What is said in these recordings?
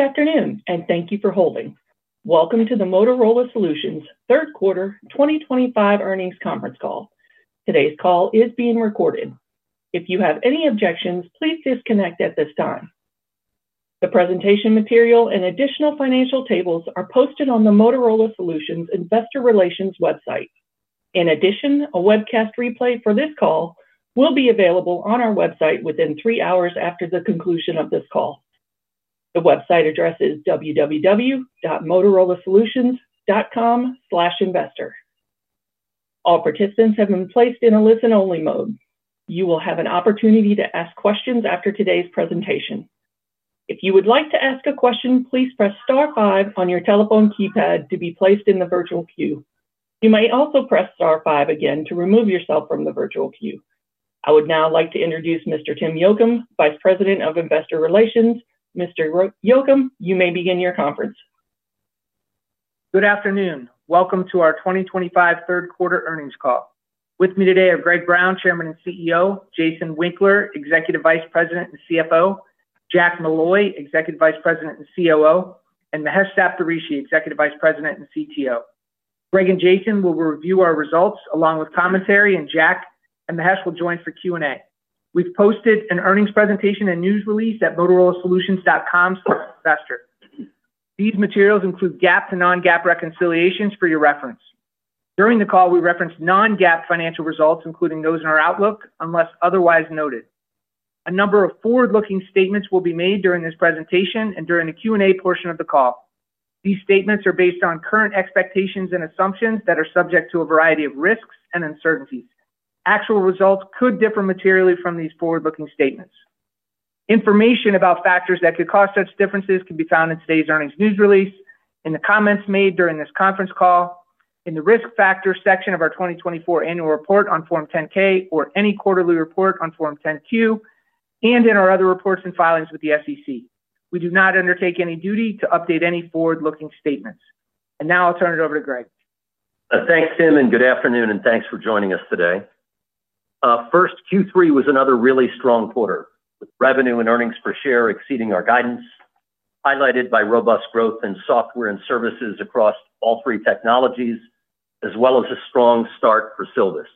Good afternoon, and thank you for holding. Welcome to the Motorola Solutions third quarter 2025 earnings conference call. Today's call is being recorded. If you have any objections, please disconnect at this time. The presentation material and additional financial tables are posted on the Motorola Solutions Investor Relations website. In addition, a webcast replay for this call will be available on our website within three hours after the conclusion of this call. The website address is www.motorolasolutions.com/investor. All participants have been placed in a listen-only mode. You will have an opportunity to ask questions after today's presentation. If you would like to ask a question, please press star five on your telephone keypad to be placed in the virtual queue. You may also press star five again to remove yourself from the virtual queue. I would now like to introduce Mr. Tim Yocum, Vice President of Investor Relations. Mr. Yocum, you may begin your conference. Good afternoon. Welcome to our 2025 third quarter earnings call. With me today are Greg Brown, Chairman and CEO; Jason Winkler, Executive Vice President and CFO; Jack Molloy, Executive Vice President and COO; and Mahesh Saptharishi, Executive Vice President and CTO. Greg and Jason will review our results along with commentary, and Jack and Mahesh will join for Q&A. We've posted an earnings presentation and news release at motorolasolutions.com/investor. These materials include GAAP to non-GAAP reconciliations for your reference. During the call, we referenced non-GAAP financial results, including those in our outlook, unless otherwise noted. A number of forward-looking statements will be made during this presentation and during the Q&A portion of the call. These statements are based on current expectations and assumptions that are subject to a variety of risks and uncertainties. Actual results could differ materially from these forward-looking statements. Information about factors that could cause such differences can be found in today's earnings news release, in the comments made during this conference call, in the risk factors section of our 2024 annual report on Form 10-K or any quarterly report on Form 10-Q, and in our other reports and filings with the SEC. We do not undertake any duty to update any forward-looking statements. Now I'll turn it over to Greg. Thanks, Tim, and good afternoon, and thanks for joining us today. First, Q3 was another really strong quarter, with revenue and earnings per share exceeding our guidance, highlighted by robust growth in software and services across all three technologies, as well as a strong start for Silvus.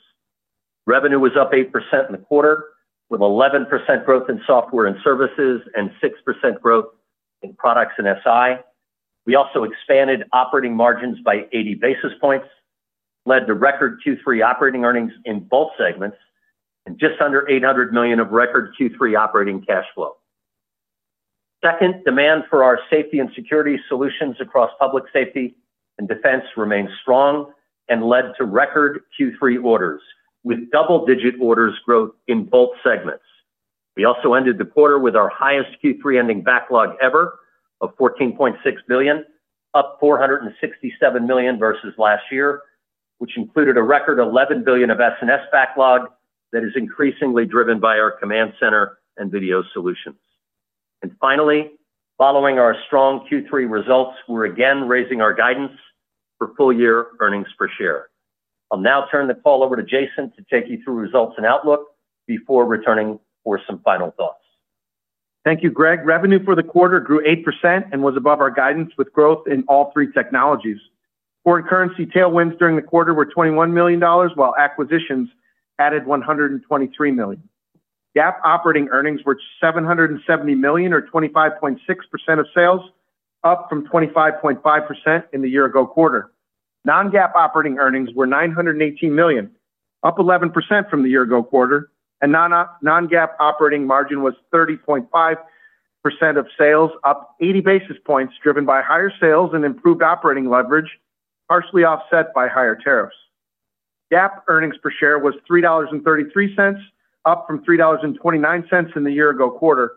Revenue was up 8% in the quarter, with 11% growth in software and services and 6% growth in products and SI. We also expanded operating margins by 80 basis points, led to record Q3 operating earnings in both segments, and just under $800 million of record Q3 operating cash flow. Second, demand for our safety and security solutions across public safety and defense remained strong and led to record Q3 orders, with double-digit orders growth in both segments. We also ended the quarter with our highest Q3 ending backlog ever of $14.6 billion, up $467 million versus last year, which included a record $11 billion of S&S backlog that is increasingly driven by our command center and video solutions. Finally, following our strong Q3 results, we're again raising our guidance for full-year earnings per share. I'll now turn the call over to Jason to take you through results and outlook before returning for some final thoughts. Thank you, Greg. Revenue for the quarter grew 8% and was above our guidance with growth in all three technologies. Foreign currency tailwinds during the quarter were $21 million, while acquisitions added $123 million. GAAP operating earnings were $770 million, or 25.6% of sales, up from 25.5% in the year-ago quarter. Non-GAAP operating earnings were $918 million, up 11% from the year-ago quarter, and non-GAAP operating margin was 30.5% of sales, up 80 basis points, driven by higher sales and improved operating leverage, partially offset by higher tariffs. GAAP earnings per share was $3.33, up from $3.29 in the year-ago quarter.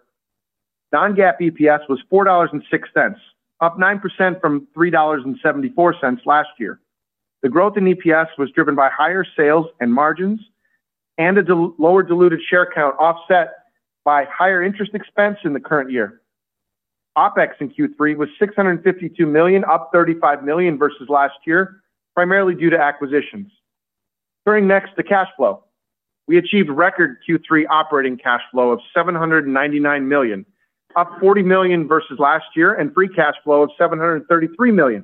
Non-GAAP EPS was $4.06, up 9% from $3.74 last year. The growth in EPS was driven by higher sales and margins and a lower diluted share count, offset by higher interest expense in the current year. OpEx in Q3 was $652 million, up $35 million versus last year, primarily due to acquisitions. Turning next to cash flow, we achieved record Q3 operating cash flow of $799 million, up $40 million versus last year, and free cash flow of $733 million,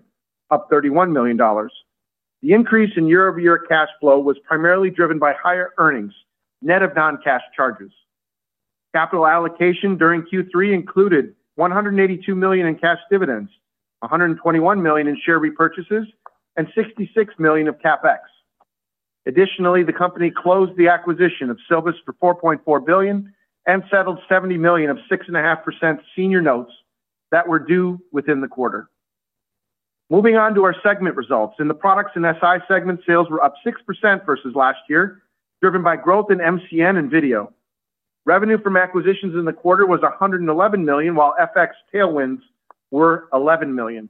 up $31 million. The increase in year-over-year cash flow was primarily driven by higher earnings, net of non-cash charges. Capital allocation during Q3 included $182 million in cash dividends, $121 million in share repurchases, and $66 million of CapEx. Additionally, the company closed the acquisition of Silvus for $4.4 billion and settled $70 million of 6.5% senior notes that were due within the quarter. Moving on to our segment results, in the products and systems integration segment, sales were up 6% versus last year, driven by growth in MCN and video. Revenue from acquisitions in the quarter was $111 million, while FX tailwinds were $11 million.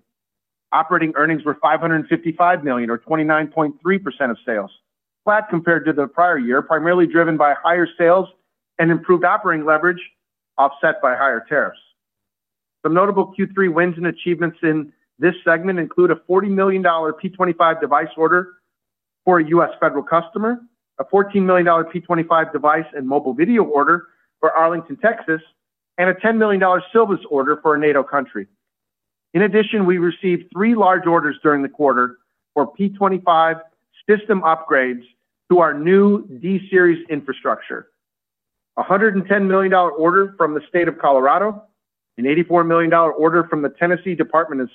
Operating earnings were $555 million, or 29.3% of sales, flat compared to the prior year, primarily driven by higher sales and improved operating leverage, offset by higher tariffs. Some notable Q3 wins and achievements in this segment include a $40 million P25 device order for a U.S. federal customer, a $14 million P25 device and mobile video order for Arlington, Texas, and a $10 million Silvus order for a NATO country. In addition, we received three large orders during the quarter for P25 system upgrades to our new D-series infrastructure: a $110 million order from the state of Colorado, an $84 million order from the Tennessee Department of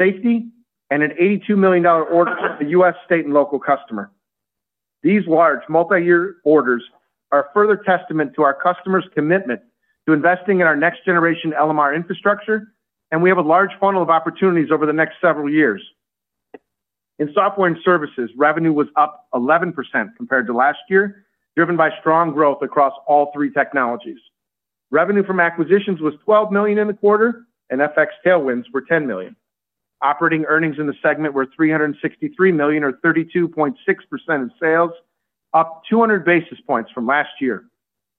Safety, and an $82 million order from a U.S. state and local customer. These large multi-year orders are further testament to our customers' commitment to investing in our next-generation LMR infrastructure, and we have a large funnel of opportunities over the next several years. In software and services, revenue was up 11% compared to last year, driven by strong growth across all three technologies. Revenue from acquisitions was $12 million in the quarter, and FX tailwinds were $10 million. Operating earnings in the segment were $363 million, or 32.6% of sales, up 200 basis points from last year,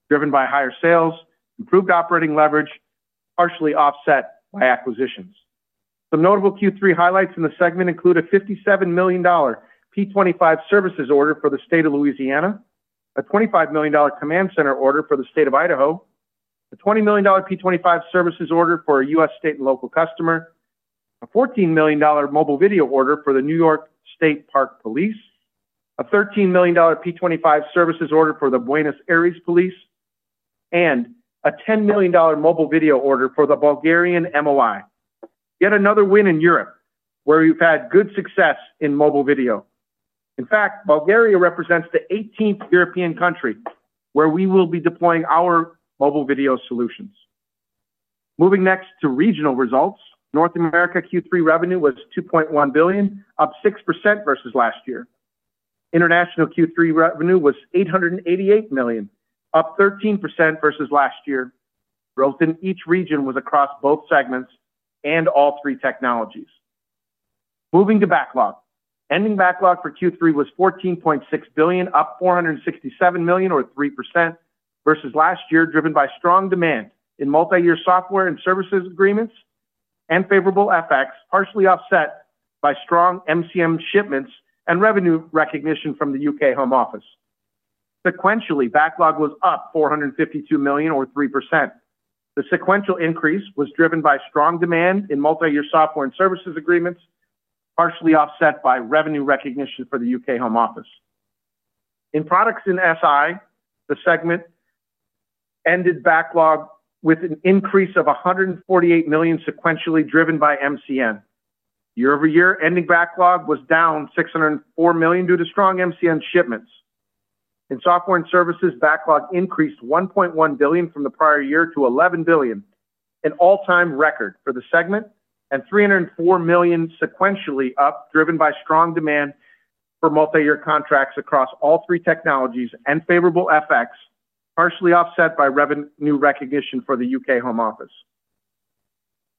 driven by higher sales, improved operating leverage, partially offset by acquisitions. Some notable Q3 highlights in the segment include a $57 million P25 services order for the state of Louisiana, a $25 million command center order for the state of Idaho, a $20 million P25 services order for a U.S. state and local customer, a $14 million mobile video order for the New York State Park Police, a $13 million P25 services order for the Buenos Aires Police, and a $10 million mobile video order for the Bulgarian MOI. Yet another win in Europe, where we've had good success in mobile video. In fact, Bulgaria represents the 18th European country where we will be deploying our mobile video solutions. Moving next to regional results, North America Q3 revenue was $2.1 billion, up 6% versus last year. International Q3 revenue was $888 million, up 13% versus last year. Growth in each region was across both segments and all three technologies. Moving to backlog, ending backlog for Q3 was $14.6 billion, up $467 million, or 3% versus last year, driven by strong demand in multi-year software and services agreements and favorable FX, partially offset by strong MCM shipments and revenue recognition from the UK Home Office. Sequentially, backlog was up $452 million, or 3%. The sequential increase was driven by strong demand in multi-year software and services agreements, partially offset by revenue recognition for the UK Home Office. In products and SI the segment ended backlog with an increase of $148 million sequentially, driven by MCN. Year-over-year, ending backlog was down $604 million due to strong MCN shipments. In software and services, backlog increased $1.1 billion from the prior year to $11 billion, an all-time record for the segment, and $304 million sequentially up, driven by strong demand for multi-year contracts across all three technologies and favorable FX, partially offset by revenue recognition for the UK Home Office.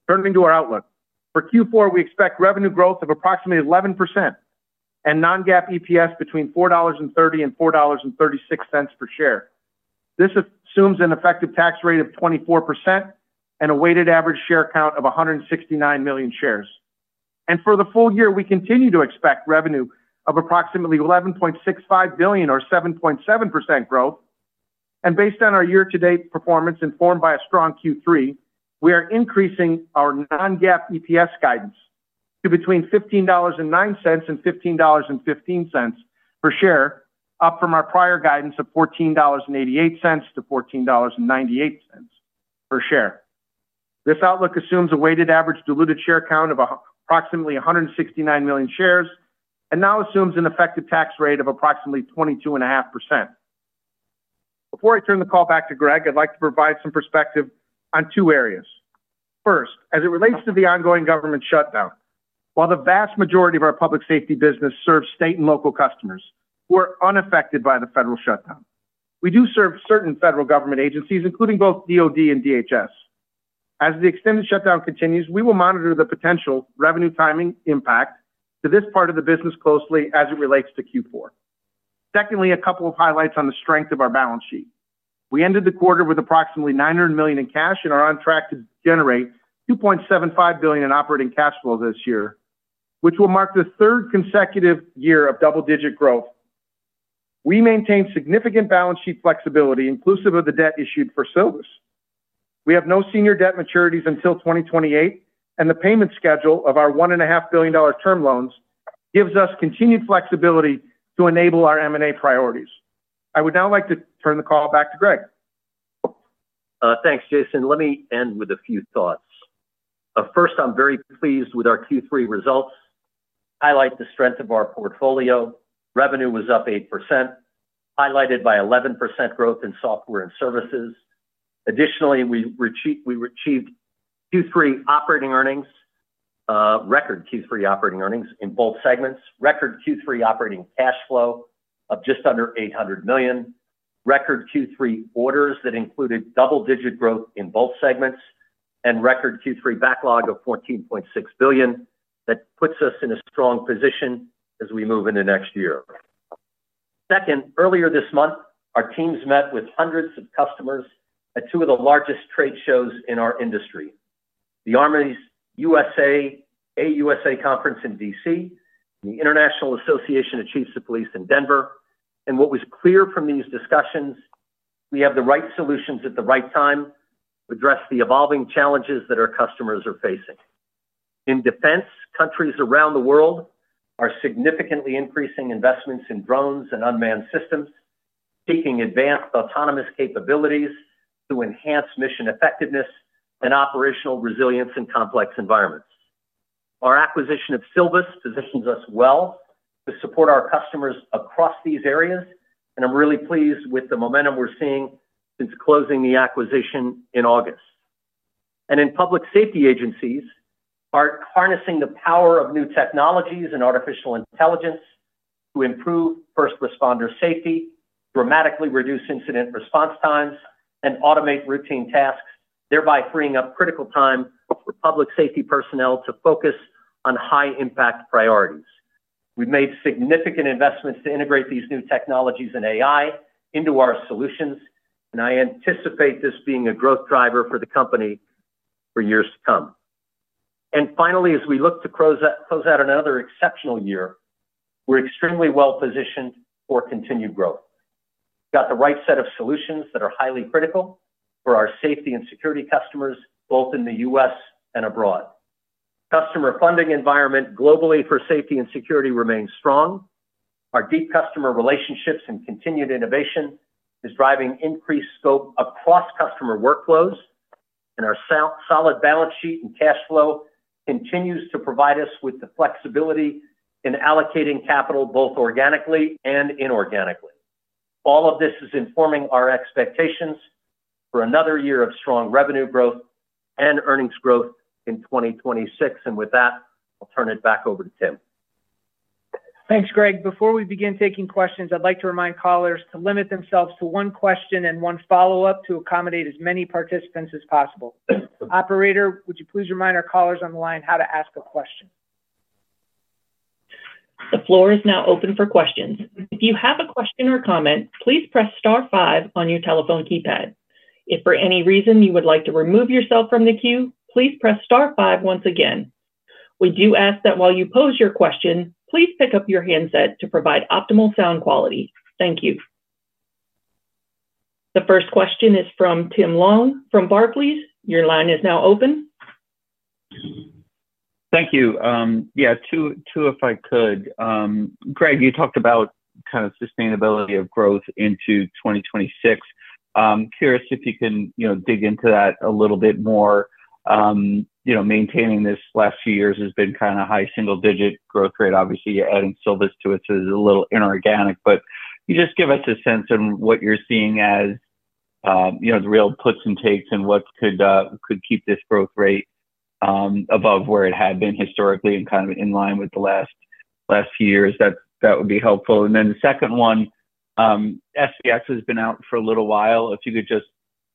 Turning to our outlook, for Q4, we expect revenue growth of approximately 11% and non-GAAP EPS between $4.30 and $4.36 per share. This assumes an effective tax rate of 24% and a weighted average share count of 169 million shares. For the full year, we continue to expect revenue of approximately $11.65 billion, or 7.7% growth. Based on our year-to-date performance informed by a strong Q3, we are increasing our non-GAAP EPS guidance to between $15.09 and $15.15 per share, up from our prior guidance of $14.88 to $14.98 per share. This outlook assumes a weighted average diluted share count of approximately 169 million shares and now assumes an effective tax rate of approximately 22.5%. Before I turn the call back to Greg, I'd like to provide some perspective on two areas. First, as it relates to the ongoing government shutdown, while the vast majority of our public safety business serves state and local customers, we're unaffected by the federal shutdown. We do serve certain federal government agencies, including both DoD and DHS. As the extended shutdown continues, we will monitor the potential revenue timing impact to this part of the business closely as it relates to Q4. Secondly, a couple of highlights on the strength of our balance sheet. We ended the quarter with approximately $900 million in cash and are on track to generate $2.75 billion in operating cash flow this year, which will mark the third consecutive year of double-digit growth. We maintain significant balance sheet flexibility, inclusive of the debt issued for Silvus. We have no senior debt maturities until 2028, and the payment schedule of our $1.5 billion term loans gives us continued flexibility to enable our M&A priorities. I would now like to turn the call back to Greg. Thanks, Jason. Let me end with a few thoughts. First, I'm very pleased with our Q3 results. I like the strength of our portfolio. Revenue was up 8%, highlighted by 11% growth in software and services. Additionally, we achieved record Q3 operating earnings in both segments, record Q3 operating cash flow of just under $800 million, record Q3 orders that included double-digit growth in both segments, and record Q3 backlog of $14.6 billion that puts us in a strong position as we move into next year. Earlier this month, our teams met with hundreds of customers at two of the largest trade shows in our industry, the ARMY's U.S.A. AUSA Conference in D.C. and the International Association of Chiefs of Police in Denver. What was clear from these discussions, we have the right solutions at the right time to address the evolving challenges that our customers are facing. In defense, countries around the world are significantly increasing investments in drones and unmanned systems, seeking advanced autonomous capabilities to enhance mission effectiveness and operational resilience in complex environments. Our acquisition of Silvus positions us well to support our customers across these areas, and I'm really pleased with the momentum we're seeing since closing the acquisition in August. In public safety agencies, we are harnessing the power of new technologies and artificial intelligence to improve first responder safety, dramatically reduce incident response times, and automate routine tasks, thereby freeing up critical time for public safety personnel to focus on high-impact priorities. We've made significant investments to integrate these new technologies and AI into our solutions, and I anticipate this being a growth driver for the company for years to come. Finally, as we look to close out another exceptional year, we're extremely well-positioned for continued growth. We've got the right set of solutions that are highly critical for our safety and security customers, both in the U.S. and abroad. Customer funding environment globally for safety and security remains strong. Our deep customer relationships and continued innovation are driving increased scope across customer workflows, and our solid balance sheet and cash flow continue to provide us with the flexibility in allocating capital both organically and inorganically. All of this is informing our expectations for another year of strong revenue growth and earnings growth in 2026. With that, I'll turn it back over to Tim. Thanks, Greg. Before we begin taking questions, I'd like to remind callers to limit themselves to one question and one follow-up to accommodate as many participants as possible. Operator, would you please remind our callers on the line how to ask a question? The floor is now open for questions. If you have a question or comment, please press star five on your telephone keypad. If for any reason you would like to remove yourself from the queue, please press star five once again. We do ask that while you pose your question, please pick up your handset to provide optimal sound quality. Thank you. The first question is from Tim Long from Barclays. Your line is now open. Thank you. Yeah, two if I could. Greg, you talked about kind of sustainability of growth into 2026. I'm curious if you can dig into that a little bit more. Maintaining this last few years has been kind of a high single-digit growth rate. Obviously, you're adding Silvus to it, so it's a little inorganic. Could you just give us a sense of what you're seeing as the real puts and takes and what could keep this growth rate above where it had been historically and kind of in line with the last few years? That would be helpful. The second one, SBX has been out for a little while. If you could just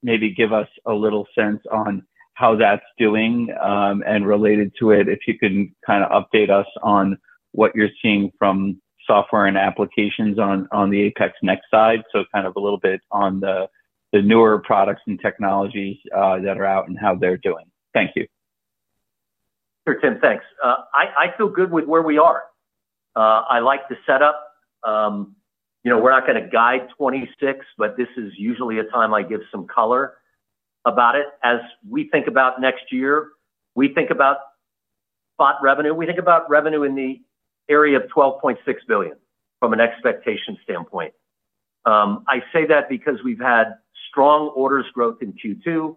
maybe give us a little sense on how that's doing and related to it, if you can kind of update us on what you're seeing from software and applications on the APEX Next side, so kind of a little bit on the newer products and technologies that are out and how they're doing. Thank you. Sure, Tim. Thanks. I feel good with where we are. I like the setup. We're not going to guide 2026, but this is usually a time I give some color about it. As we think about next year, we think about spot revenue, we think about revenue in the area of $12.6 billion from an expectation standpoint. I say that because we've had strong orders growth in Q2,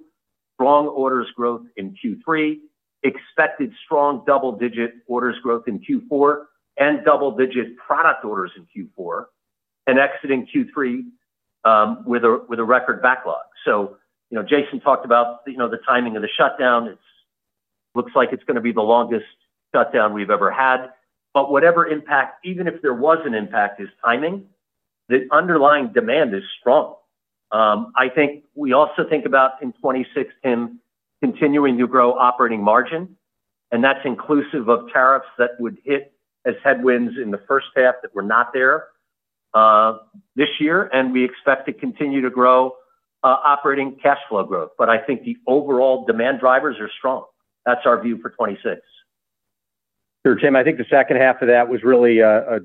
strong orders growth in Q3, expected strong double-digit orders growth in Q4, and double-digit product orders in Q4, and exiting Q3 with a record backlog. Jason talked about the timing of the shutdown. It looks like it's going to be the longest shutdown we've ever had. Whatever impact, even if there was an impact, is timing. The underlying demand is strong. I think we also think about in 2026, Tim, continuing to grow operating margin, and that's inclusive of tariffs that would hit as headwinds in the first half that were not there this year, and we expect to continue to grow operating cash flow growth. I think the overall demand drivers are strong. That's our view for 2026. Sure, Tim. I think the second half of that was really a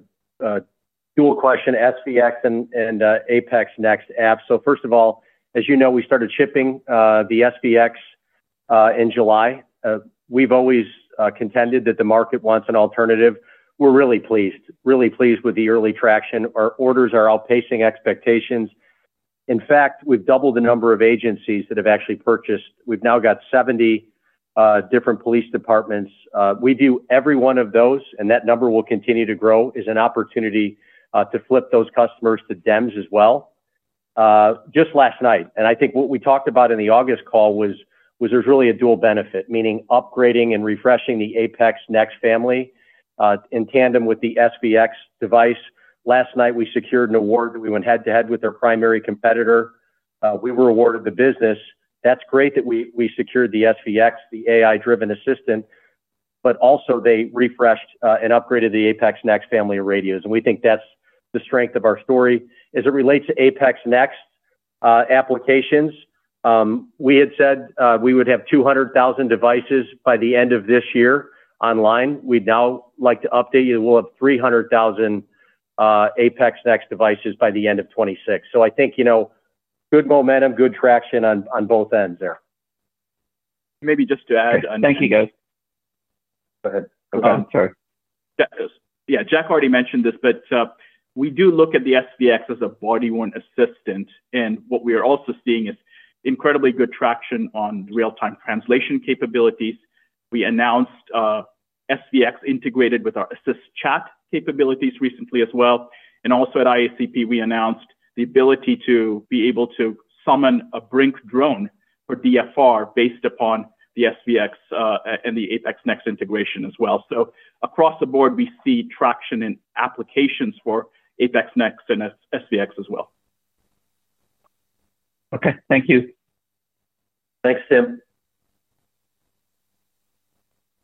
dual question, SBX and APEX Next app. First of all, as you know, we started shipping the SBX in July. We've always contended that the market wants an alternative. We're really pleased, really pleased with the early traction. Our orders are outpacing expectations. In fact, we've doubled the number of agencies that have actually purchased. We've now got 70 different police departments. We view every one of those, and that number will continue to grow, as an opportunity to flip those customers to DEMS as well. Just last night, and I think what we talked about in the August call was there's really a dual benefit, meaning upgrading and refreshing the APEX Next family in tandem with the SBX device. Last night, we secured an award that we went head-to-head with our primary competitor. We were awarded the business. It's great that we secured the SBX, the AI-driven assistant, but also they refreshed and upgraded the APEX Next family of radios. We think that's the strength of our story. As it relates to APEX Next applications, we had said we would have 200,000 devices by the end of this year online. We'd now like to update you that we'll have 300,000 APEX Next devices by the end of 2026. I think good momentum, good traction on both ends there. Maybe just to add on. Thank you, guys. Yeah, Jack already mentioned this, but we do look at the SBX as a body-worn assistant. What we are also seeing is incredibly good traction on real-time translation capabilities. We announced SBX integrated with our Assist chat capabilities recently as well. At IACP, we announced the ability to be able to summon a BRINC drone for DFR based upon the SBX and the APEX Next integration as well. Across the board, we see traction in applications for APEX Next and SBX as well. Okay, thank you. Thanks, Tim.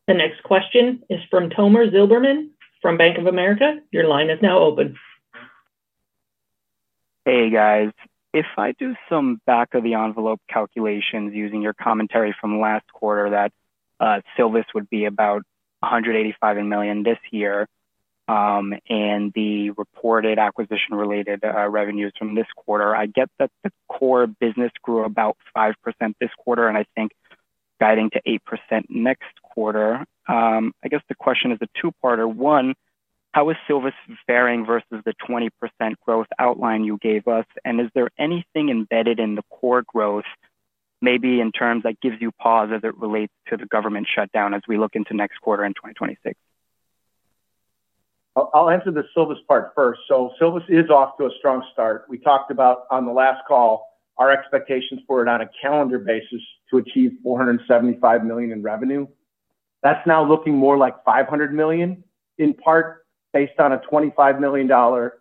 The next question is from Tomer Zilberman from Bank of America. Your line is now open. Hey, guys. If I do some back-of-the-envelope calculations using your commentary from last quarter, that Silvus would be about $185 million this year. Using the reported acquisition-related revenues from this quarter, I get that the core business grew about 5% this quarter, and I think guiding to 8% next quarter. The question is a two-parter. One, how is Silvus varying versus the 20% growth outline you gave us? Is there anything embedded in the core growth, maybe in terms that gives you pause as it relates to the government shutdown as we look into next quarter in 2026? I'll answer the Silvus part first. Silvus is off to a strong start. We talked about on the last call, our expectations for it on a calendar basis to achieve $475 million in revenue. That's now looking more like $500 million, in part based on a $25 million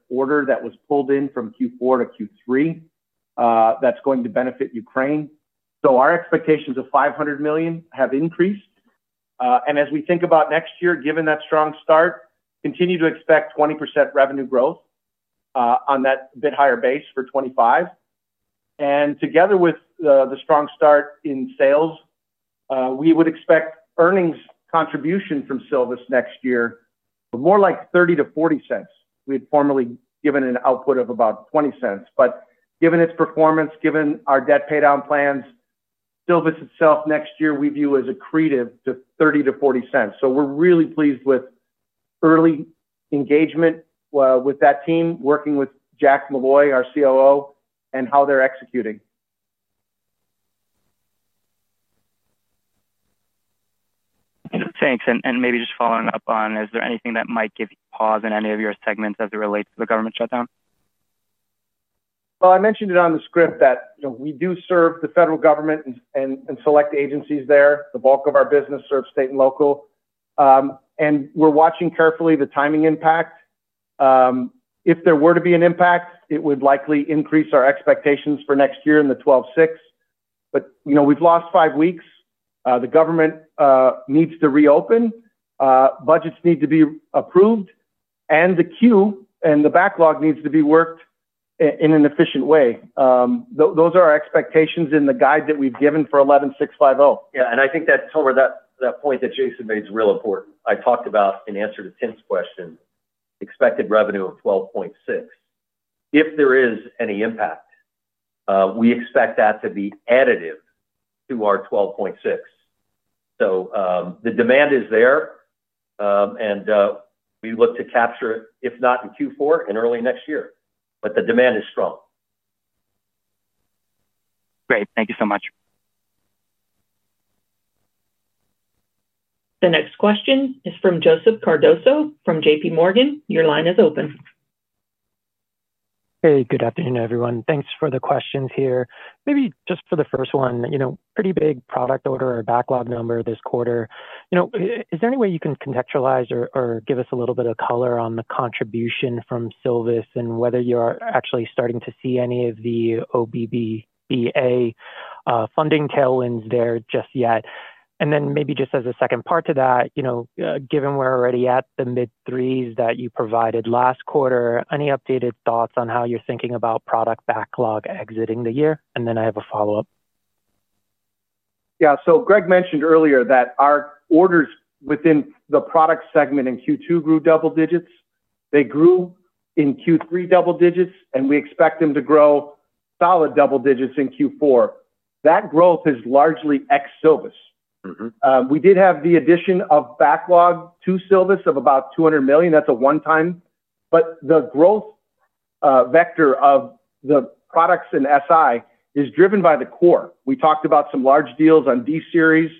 order that was pulled in from Q4 to Q3. That's going to benefit Ukraine. Our expectations of $500 million have increased. As we think about next year, given that strong start, continue to expect 20% revenue growth on that bit higher base for 2025. Together with the strong start in sales, we would expect earnings contribution from Silvus next year, but more like $0.30-$0.40. We had formerly given an output of about $0.20, but given its performance, given our debt paydown plans, Silvus itself next year we view as accretive to $0.30-$0.40. We're really pleased with early engagement with that team, working with Jack Molloy, our COO, and how they're executing. Thanks. Maybe just following up on, is there anything that might give you pause in any of your segments as it relates to the government shutdown? I mentioned it on the script that we do serve the federal government and select agencies there. The bulk of our business serves state and local. We're watching carefully the timing impact. If there were to be an impact, it would likely increase our expectations for next year in the $12.6 billion. We've lost five weeks. The government needs to reopen. Budgets need to be approved, and the queue and the backlog need to be worked in an efficient way. Those are our expectations in the guide that we've given for $11.650 billion. Yeah, I think that point that Jason made is real important. I talked about in answer to Tim's question, expected revenue of $12.6 billion. If there is any impact, we expect that to be additive to our $12.6 billion. The demand is there, and we look to capture it, if not in Q4, in early next year. The demand is strong. Great, thank you so much. The next question is from Joseph Cardoso from JPMorgan. Your line is open. Hey, good afternoon, everyone. Thanks for the questions here. Maybe just for the first one, pretty big product order or backlog number this quarter. Is there any way you can contextualize or give us a little bit of color on the contribution from Silvus and whether you are actually starting to see any of the OB3 funding tailwinds there just yet? Maybe just as a second part to that, given we're already at the mid-threes that you provided last quarter, any updated thoughts on how you're thinking about product backlog exiting the year? I have a follow-up. Yeah. Greg mentioned earlier that our orders within the product segment in Q2 grew double digits. They grew in Q3 double digits, and we expect them to grow solid double digits in Q4. That growth is largely ex-Silvus. We did have the addition of backlog to Silvus of about $200 million. That's a one-time. The growth vector of the products and SI is driven by the core. We talked about some large deals on D-series.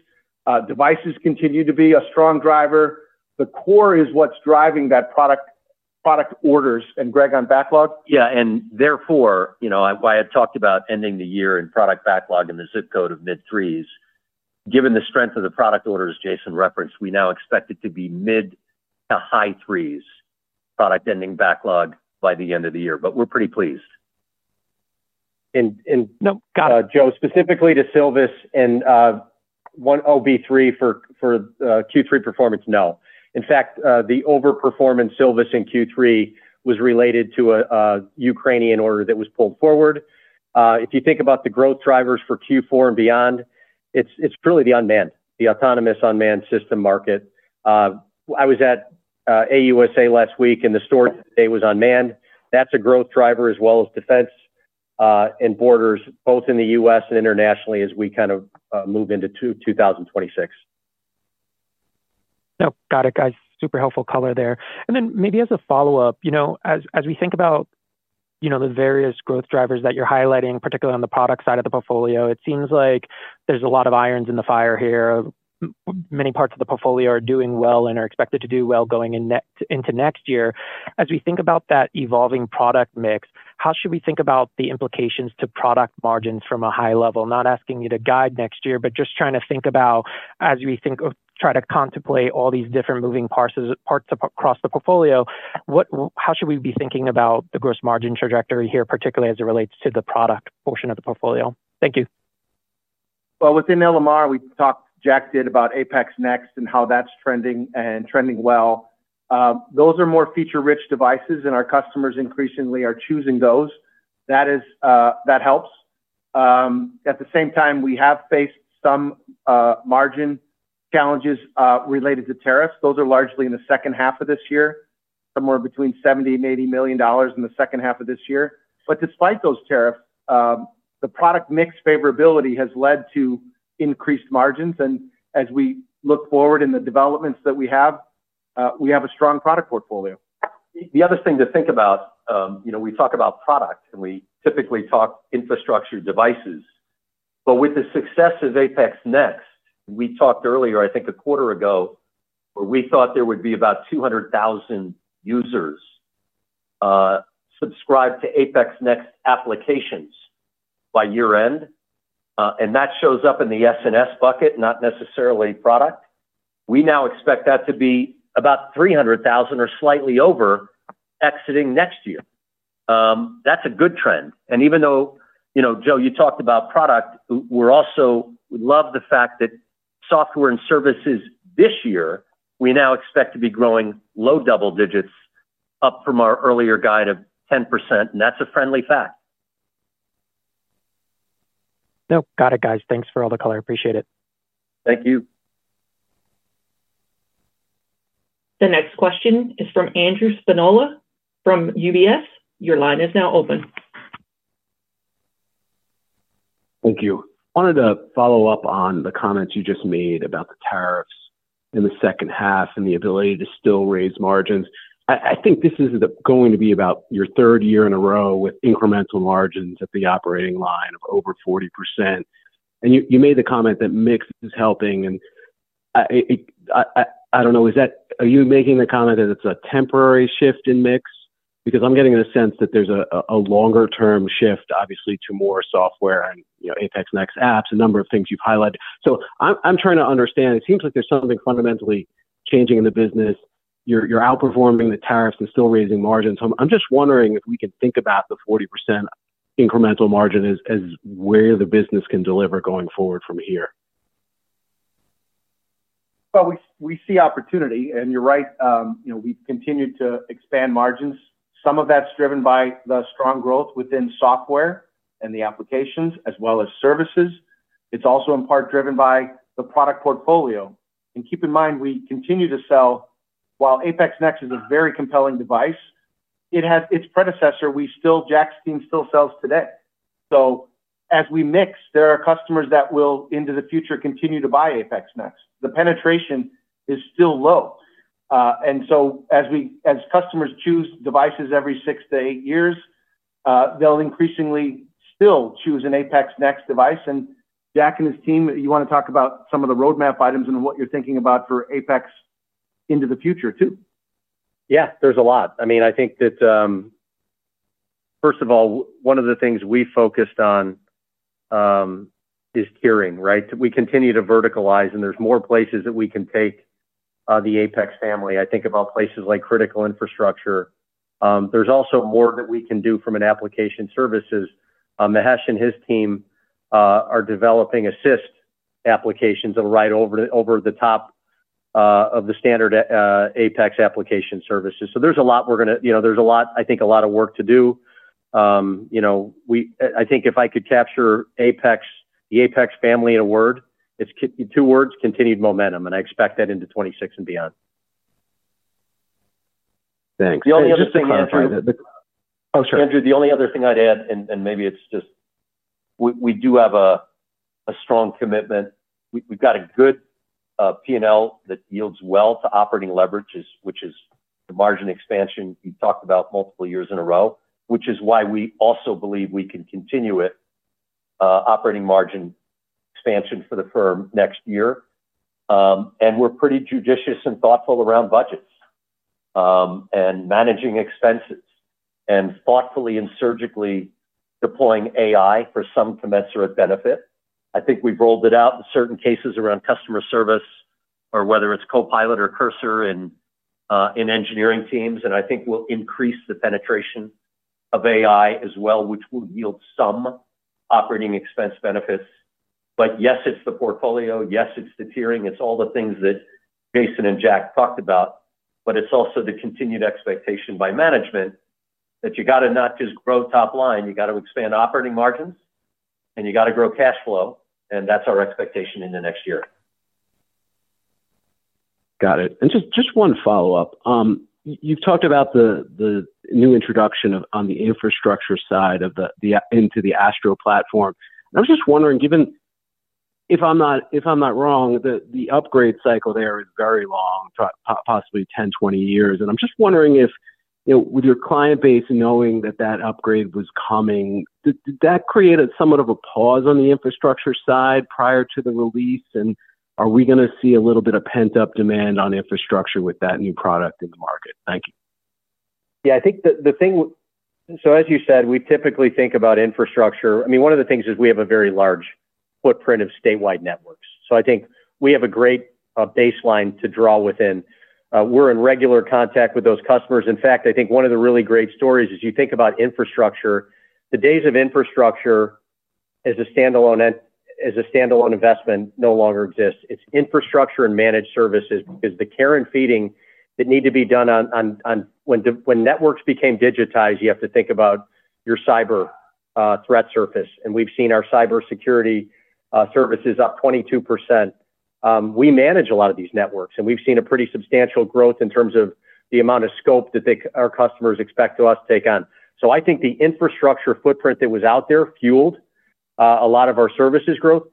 Devices continue to be a strong driver. The core is what's driving that product orders. Greg, on backlog? Yeah. Therefore, why I talked about ending the year in product backlog in the zip code of mid-threes, given the strength of the product orders Jason referenced, we now expect it to be mid to high threes product ending backlog by the end of the year. We're pretty pleased. Jos, specifically to Silvus and one OB3 for Q3 performance, no. In fact, the overperformance Silvus in Q3 was related to a Ukrainian order that was pulled forward. If you think about the growth drivers for Q4 and beyond, it's really the unmanned, the autonomous unmanned system market. I was at AUSA last week, and the story today was unmanned. That's a growth driver as well as defense and borders, both in the U.S. and internationally, as we kind of move into 2026. Got it, guys. Super helpful color there. Maybe as a follow-up, as we think about the various growth drivers that you're highlighting, particularly on the product side of the portfolio, it seems like there's a lot of irons in the fire here. Many parts of the portfolio are doing well and are expected to do well going into next year. As we think about that evolving product mix, how should we think about the implications to product margins from a high level? Not asking you to guide next year, just trying to think about, as we think of trying to contemplate all these different moving parts across the portfolio, how should we be thinking about the gross margin trajectory here, particularly as it relates to the product portion of the portfolio? Thank you. Within LMR, we talked, Jack did, about APEX Next and how that's trending and trending well. Those are more feature-rich devices, and our customers increasingly are choosing those. That helps. At the same time, we have faced some margin challenges related to tariffs. Those are largely in the second half of this year, somewhere between $70 million and $80 million in the second half of this year. Despite those tariffs, the product mix favorability has led to increased margins. As we look forward in the developments that we have, we have a strong product portfolio. The other thing to think about, we talk about product, and we typically talk infrastructure devices. With the success of APEX Next, we talked earlier, I think a quarter ago, where we thought there would be about 200,000 users subscribed to APEX Next applications by year-end. That shows up in the S&S bucket, not necessarily product. We now expect that to be about 300,000 or slightly over exiting next year. That's a good trend. Even though, Joe, you talked about product, we're also, we love the fact that software and services this year, we now expect to be growing low double digits, up from our earlier guide of 10%. That's a friendly fact. Got it, guys. Thanks for all the color. Appreciate it. Thank you. The next question is from Andrew Spinola from UBS. Your line is now open. Thank you. I wanted to follow up on the comments you just made about the tariffs in the second half and the ability to still raise margins. I think this is going to be about your third year in a row with incremental margins at the operating line of over 40%. You made the comment that mix is helping. I don't know, are you making the comment that it's a temporary shift in mix? I'm getting the sense that there's a longer-term shift, obviously, to more software and APEX Next apps, a number of things you've highlighted. I'm trying to understand. It seems like there's something fundamentally changing in the business. You're outperforming the tariffs and still raising margins. I'm just wondering if we can think about the 40% incremental margin as where the business can deliver going forward from here. We see opportunity. You're right. We've continued to expand margins. Some of that's driven by the strong growth within software and the applications as well as services. It's also in part driven by the product portfolio. Keep in mind, we continue to sell. While APEX Next is a very compelling device, it has its predecessor Jack's team still sells today. As we mix, there are customers that will, into the future, continue to buy APEX Next. The penetration is still low. As customers choose devices every six to eight years, they'll increasingly still choose an APEX Next device. Jack and his team, you want to talk about some of the roadmap items and what you're thinking about for APEX into the future too? Yeah, there's a lot. I mean, I think that, first of all, one of the things we focused on is tiering, right? We continue to verticalize, and there's more places that we can take the APEX family. I think about places like critical infrastructure. There's also more that we can do from an application services. Mahesh and his team are developing Assist applications that are right over the top of the standard APEX application services. There's a lot we're going to, there's a lot, I think a lot of work to do. If I could capture the APEX family in a word, it's two words, continued momentum. I expect that into 2026 and beyond. Thanks. The only other thing I'd add, oh, sorry, Andrew, the only other thing I'd add, and maybe it's just, we do have a strong commitment. We've got a good P&L that yields well to operating leverage, which is the margin expansion we talked about multiple years in a row, which is why we also believe we can continue it. Operating margin expansion for the firm next year. We're pretty judicious and thoughtful around budgets and managing expenses, and thoughtfully and surgically deploying AI for some commensurate benefit. I think we've rolled it out in certain cases around customer service, or whether it's Copilot or Cursor in engineering teams. I think we'll increase the penetration of AI as well, which will yield some operating expense benefits. Yes, it's the portfolio. Yes, it's the tiering. It's all the things that Jason and Jack talked about. It's also the continued expectation by management that you got to not just grow top line, you got to expand operating margins, and you got to grow cash flow. That's our expectation in the next year. Got it. Just one follow-up. You've talked about the new introduction on the infrastructure side into the ASTRO platform. I was just wondering, given, if I'm not wrong, the upgrade cycle there is very long, possibly 10, 20 years. I'm just wondering if, with your client base knowing that that upgrade was coming, did that create somewhat of a pause on the infrastructure side prior to the release? Are we going to see a little bit of pent-up demand on infrastructure with that new product in the market? Thank you. Yeah, I think the thing, as you said, we typically think about infrastructure. One of the things is we have a very large footprint of statewide networks. I think we have a great baseline to draw within. We're in regular contact with those customers. In fact, I think one of the really great stories is you think about infrastructure. The days of infrastructure as a standalone investment no longer exist. It's infrastructure and managed services because the care and feeding that need to be done on when networks became digitized, you have to think about your cyber threat surface. We've seen our cybersecurity services up 22%. We manage a lot of these networks, and we've seen a pretty substantial growth in terms of the amount of scope that our customers expect us to take on. I think the infrastructure footprint that was out there fueled a lot of our services growth.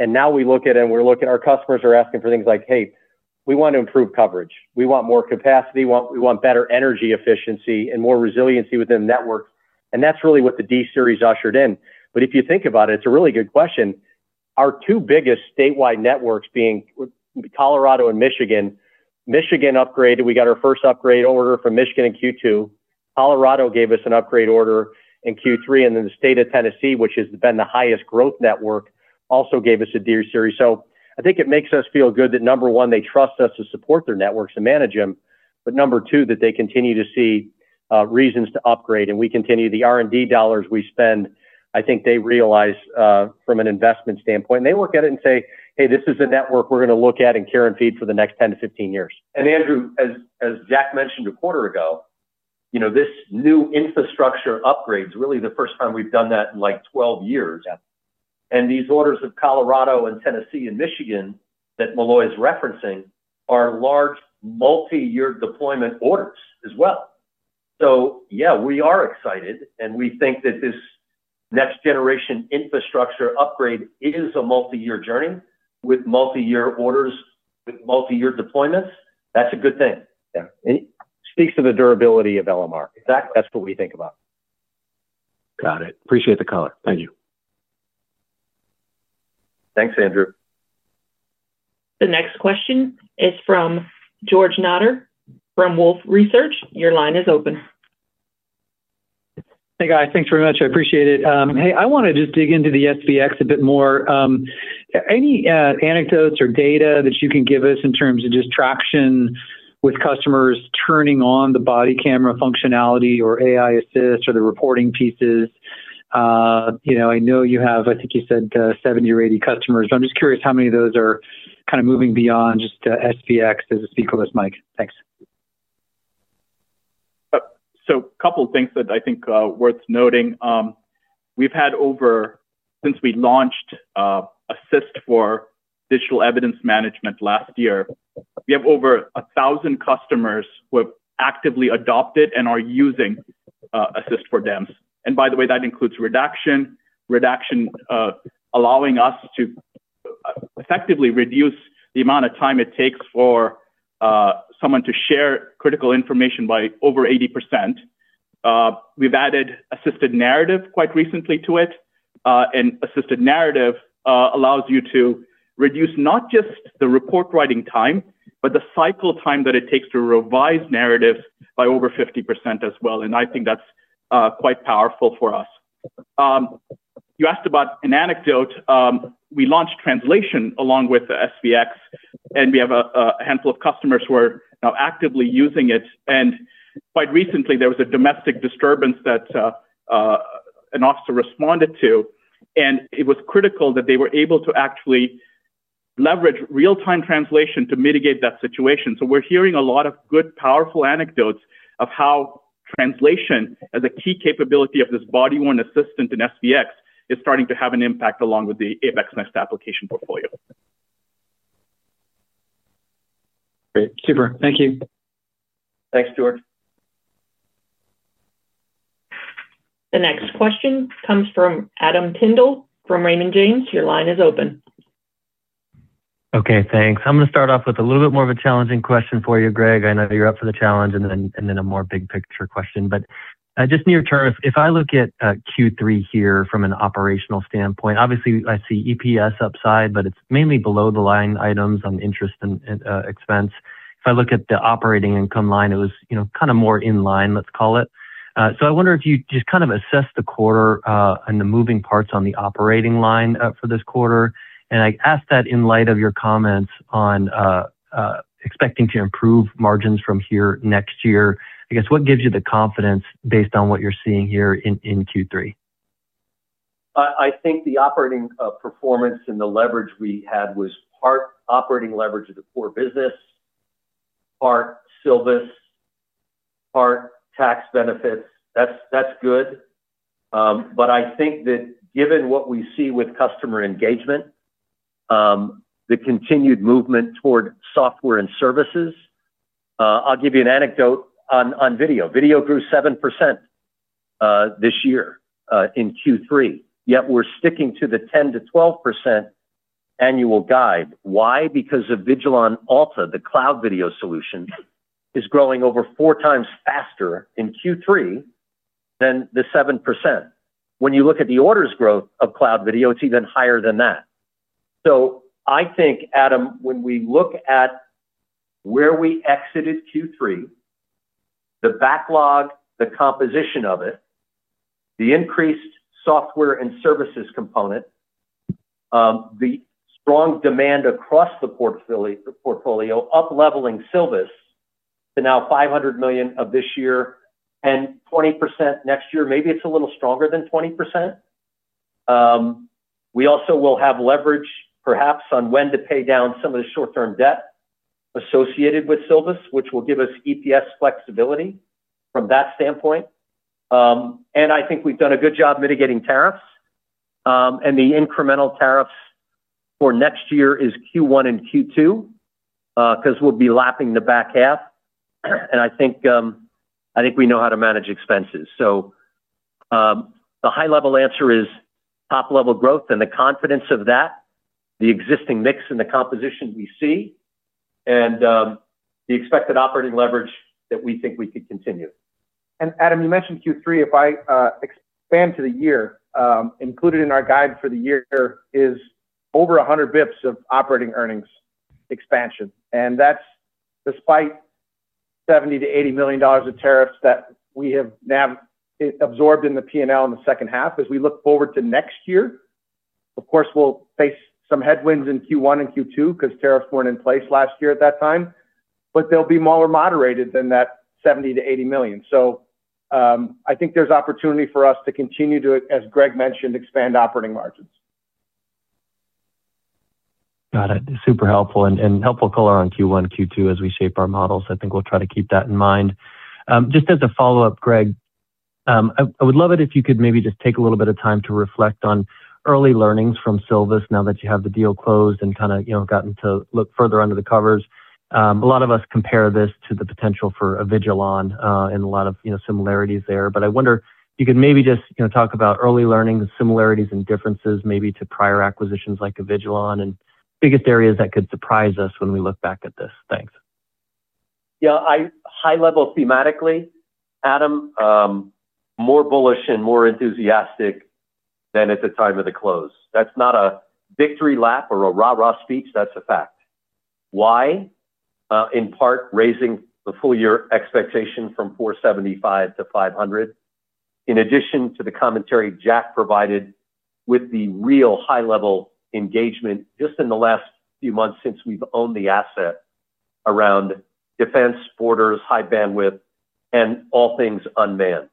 Now we look at it and we're looking at our customers are asking for things like, "Hey, we want to improve coverage. We want more capacity. We want better energy efficiency and more resiliency within the network." That's really what the D-series ushered in. If you think about it, it's a really good question. Our two biggest statewide networks being Colorado and Michigan. Michigan upgraded. We got our first upgrade order from Michigan in Q2. Colorado gave us an upgrade order in Q3. The state of Tennessee, which has been the highest growth network, also gave us a D-series. I think it makes us feel good that, number one, they trust us to support their networks and manage them. Number two, they continue to see reasons to upgrade. We continue the R&D dollars we spend, I think they realize from an investment standpoint. They look at it and say, "Hey, this is a network we're going to look at and care and feed for the next 10-15 years." Andrew, as Jack mentioned a quarter ago, this new infrastructure upgrade is really the first time we've done that in like 12 years. These orders of Colorado and Tennessee and Michigan that Molloy is referencing are large multi-year deployment orders as well. We are excited, and we think that this next generation infrastructure upgrade is a multi-year journey with multi-year orders, with multi-year deployments. That's a good thing. It speaks to the durability of LMR. That's what we think about. Got it. Appreciate the color. Thank you. Thanks, Andrew. The next question is from George Notter from Wolfe Research. Your line is open. Hey, guys. Thanks very much. I appreciate it. I want to just dig into the SBX a bit more. Any anecdotes or data that you can give us in terms of just traction with customers turning on the body camera functionality or AI Assist or the reporting pieces? I know you have, I think you said, 70 or 80 customers. I'm just curious how many of those are kind of moving beyond just SBX as a speakerless mic. Thanks. A couple of things that I think are worth noting. We've had, since we launched Assist for digital evidence management last year, over 1,000 customers who have actively adopted and are using Assist for DEMS. By the way, that includes redaction, allowing us to effectively reduce the amount of time it takes for someone to share critical information by over 80%. We've added assisted narrative quite recently to it, and assisted narrative allows you to reduce not just the report writing time, but the cycle time that it takes to revise narratives by over 50% as well. I think that's quite powerful for us. You asked about an anecdote. We launched translation along with SBX, and we have a handful of customers who are now actively using it. Quite recently, there was a domestic disturbance that an officer responded to, and it was critical that they were able to actually leverage real-time translation to mitigate that situation. We're hearing a lot of good, powerful anecdotes of how translation, as a key capability of this body-worn assistant in SBX, is starting to have an impact along with the APEX Next application portfolio. Great. Super. Thank you. Thanks, George. The next question comes from Adam Tindle from Raymond James. Your line is open. Okay, thanks. I'm going to start off with a little bit more of a challenging question for you, Greg. I know you're up for the challenge and then a more big picture question. Just near term, if I look at Q3 here from an operational standpoint, obviously I see EPS upside, but it's mainly below the line items on interest and expense. If I look at the operating income line, it was kind of more in line, let's call it. I wonder if you just kind of assess the quarter and the moving parts on the operating line for this quarter. I ask that in light of your comments on expecting to improve margins from here next year. I guess what gives you the confidence based on what you're seeing here in Q3? I think the operating performance and the leverage we had was part operating leverage of the core business, part Silvus, part tax benefits. That's good. I think that given what we see with customer engagement, the continued movement toward software and services, I'll give you an anecdote on video. Video grew 7% this year in Q3, yet we're sticking to the 10%-12% annual guide. Why? Because Avigilon Alta, the cloud video solution, is growing over four times faster in Q3 than the 7%. When you look at the orders growth of cloud video, it's even higher than that. I think, Adam, when we look at where we exited Q3, the backlog, the composition of it, the increased software and services component, the strong demand across the portfolio, up leveling Silvus to now $500 million of this year and 20% next year, maybe it's a little stronger than 20%. We also will have leverage, perhaps, on when to pay down some of the short-term debt associated with Silvus, which will give us EPS flexibility from that standpoint. I think we've done a good job mitigating tariffs, and the incremental tariffs for next year is Q1 and Q2 because we'll be lapping the back half. I think we know how to manage expenses. The high-level answer is top-level growth and the confidence of that, the existing mix and the composition we see, and the expected operating leverage that we think we could continue. Adam, you mentioned Q3. If I expand to the year, included in our guide for the year is over 100 basis points of operating earnings expansion. That's despite $70 million-$80 million of tariffs that we have now absorbed in the P&L in the second half. As we look forward to next year, of course, we'll face some headwinds in Q1 and Q2 because tariffs weren't in place last year at that time. They'll be more moderated than that $70 million-$80 million. I think there's opportunity for us to continue to, as Greg mentioned, expand operating margins. Got it. Super helpful and helpful color on Q1, Q2 as we shape our models. I think we'll try to keep that in mind. Just as a follow-up, Greg. I would love it if you could maybe just take a little bit of time to reflect on early learnings from Silvus now that you have the deal closed and kind of gotten to look further under the covers. A lot of us compare this to the potential for Avigilon and a lot of similarities there. I wonder if you could maybe just talk about early learnings, similarities, and differences maybe to prior acquisitions like Avigilon and biggest areas that could surprise us when we look back at this. Thanks. Yeah. High level thematically, Adam. More bullish and more enthusiastic than at the time of the close. That's not a victory lap or a rah-rah speech. That's a fact. Why? In part, raising the full year expectation from $475 million-$500 million. In addition to the commentary Jack provided with the real high-level engagement just in the last few months since we've owned the asset around defense, borders, high bandwidth, and all things unmanned.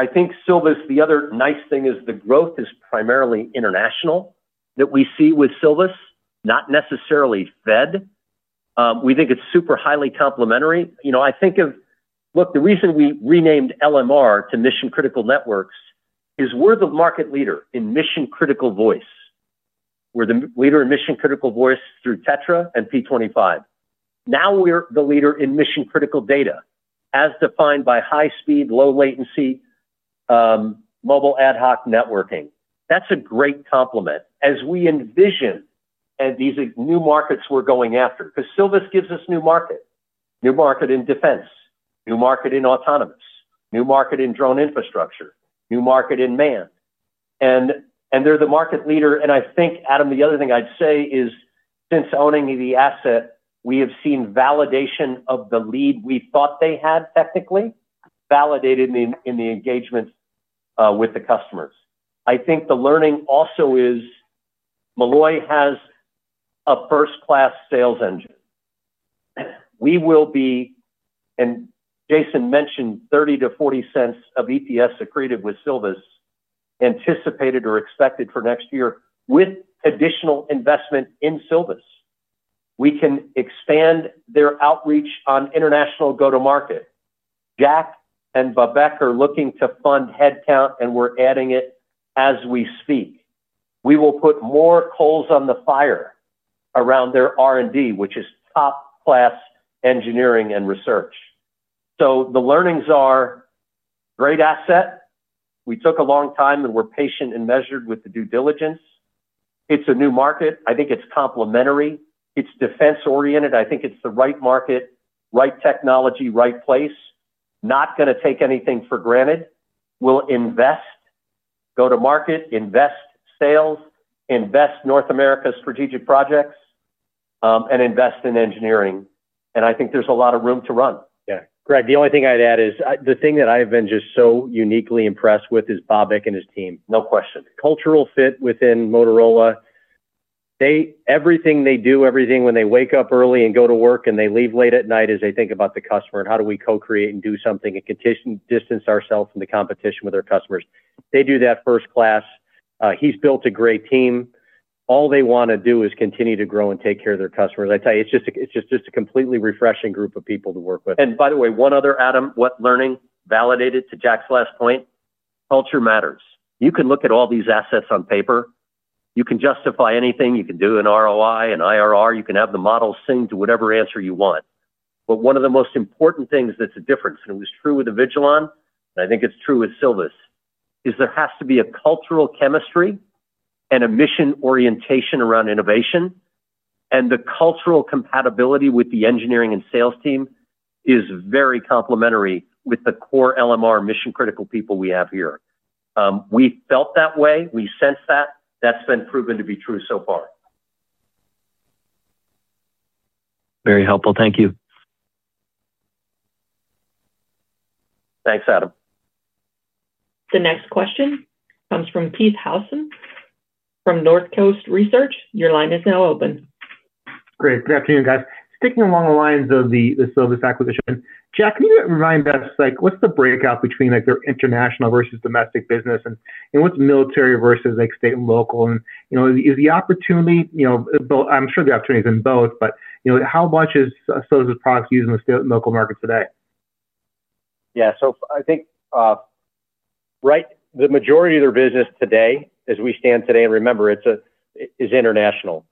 I think Silvus, the other nice thing is the growth is primarily international that we see with Silvus, not necessarily Fed. We think it's super highly complementary. I think of, look, the reason we renamed LMR to Mission Critical Networks is we're the market leader in Mission Critical Voice. We're the leader in Mission Critical Voice through TETRA and P25. Now we're the leader in Mission Critical Data, as defined by high-speed, low-latency, mobile ad hoc networking. That's a great complement as we envision these new markets we're going after because Silvus gives us new market. New market in defense, new market in autonomous, new market in drone infrastructure, new market in manned. They're the market leader. I think, Adam, the other thing I'd say is since owning the asset, we have seen validation of the lead we thought they had technically validated in the engagement with the customers. I think the learning also is Molloy has a first-class sales engine. We will be, and Jason mentioned, $0.30-$0.40 of EPS accreted with Silvus anticipated or expected for next year with additional investment in Silvus. We can expand their outreach on international go-to-market. Jack and Bobak are looking to fund headcount, and we're adding it as we speak. We will put more coals on the fire around their R&D, which is top-class engineering and research. The learnings are great asset. We took a long time and were patient and measured with the due diligence. It's a new market. I think it's complementary. It's defense-oriented. I think it's the right market, right technology, right place. Not going to take anything for granted. We'll invest. Go to market, invest sales, invest North America strategic projects, and invest in engineering. I think there's a lot of room to run. Yeah. Greg, the only thing I'd add is the thing that I've been just so uniquely impressed with is Bobak and his team. No question. Cultural fit within Motorola. Everything they do, everything when they wake up early and go to work and they leave late at night as they think about the customer and how do we co-create and do something and distance ourselves from the competition with our customers. They do that first class. He's built a great team. All they want to do is continue to grow and take care of their customers. I tell you, it's just a completely refreshing group of people to work with. By the way, one other, Adam, what learning validated to Jack's last point, Culture matters. You can look at all these assets on paper. You can justify anything. You can do an ROI, an IRR. You can have the model sing to whatever answer you want. One of the most important things that's a difference, and it was true with Avigilon, and I think it's true with Silvus, is there has to be a cultural chemistry and a mission orientation around innovation. The cultural compatibility with the engineering and sales team is very complementary with the core LMR mission-critical people we have here. We felt that way. We sense that. That's been proven to be true so far. Very helpful. Thank you. Thanks, Adam. The next question comes from Keith Housum from Northcoast Research. Your line is now open. Great. Good afternoon, guys. Sticking along the lines of the Silvus acquisition, Jack, can you remind us what's the breakout between their international versus domestic business and what's military versus state and local? I'm sure the opportunity is in both, but how much is Silvus products used in the state and local market today? Yeah. I think the majority of their business today, as we stand today, and remember, it's international.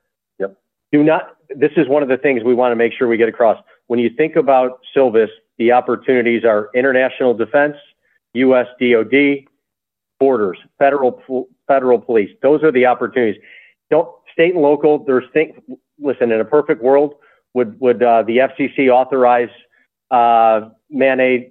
This is one of the things we want to make sure we get across. When you think about Silvus, the opportunities are international defense, U.S. DoD, borders, federal police. Those are the opportunities. State and local, listen, in a perfect world, would the FCC authorize man made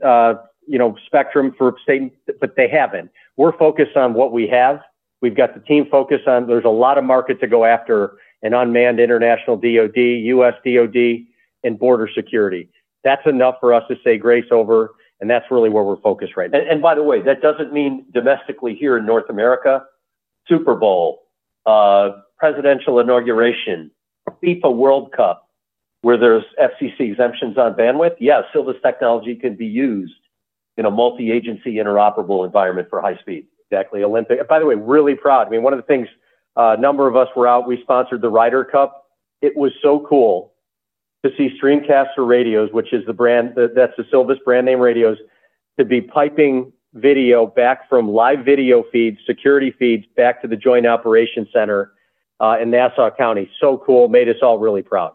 spectrum for state, but they haven't. We're focused on what we have. We've got the team focused on there's a lot of market to go after and unmanned international DoD, U.S. DoD, and border security. That's enough for us to say grace over, and that's really where we're focused right now. By the way, that doesn't mean domestically here in North America. Super Bowl, presidential inauguration, FIFA World Cup, where there's FCC exemptions on bandwidth, yeah, Silvus technology can be used in a multi-agency interoperable environment for high speed. Exactly. Olympic. By the way, really proud. I mean, one of the things, a number of us were out. We sponsored the Ryder Cup. It was so cool to see StreamCaster Radios, which is the brand that's the Silvus brand name radios, to be piping video back from live video feeds, security feeds back to the Joint Operations Center in Nassau County. So cool. Made us all really proud.